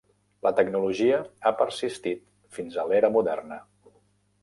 La tecnologia ha persistit fins a l'era moderna.